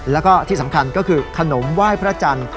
แล้วก็ที่สำคัญก็คือขนมไหว้พระจันทร์